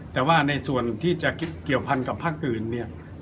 แต่ว่าในส่วนที่จะเกี่ยวพันกับภาคอื่นเนี่ย